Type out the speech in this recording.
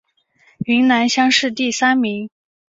云南乡试第三名。